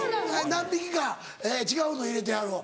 ・何匹か違うの入れてはるわ。